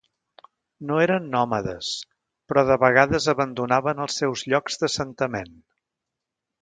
No eren nòmades, però de vegades abandonaven els seus llocs d'assentament.